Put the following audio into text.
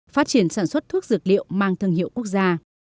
phát triển sản xuất thuốc dược liệu mang thương hiệu quốc gia